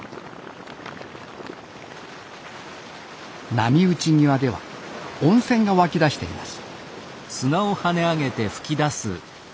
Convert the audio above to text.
波打ち際では温泉が湧き出しています。